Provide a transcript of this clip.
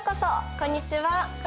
こんにちは。